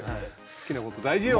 好きなこと大事よ。